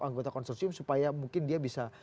anggota konsorsium supaya mungkin dia bisa